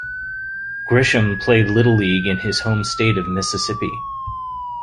Grisham played Little League in his home state of Mississippi.